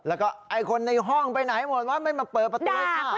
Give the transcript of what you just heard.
แล้วก็ไอ้คนในห้องไปไหนหมดวะไม่มาเปิดประตูค่ะ